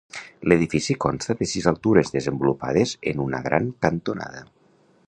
L'edifici consta de sis altures desenvolupades en una gran cantonada.